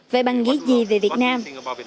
vậy bạn nghĩ gì về việt nam